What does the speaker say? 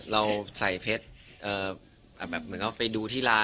เราก็เลยโอเคดีเลย